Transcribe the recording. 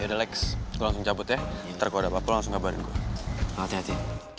ya udah lex gue langsung cabut ya ntar kalau ada apa apa langsung kabarin gue hati hati